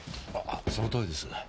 そのとおりです。